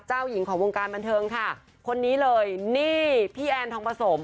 เจ้าหญิงของวงการบันเทิงค่ะคนนี้เลยนี่พี่แอนทองผสม